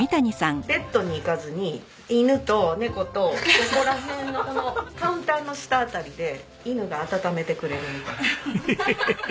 ベッドに行かずに犬と猫とここら辺のこのカウンターの下辺りで犬が温めてくれるみたいな。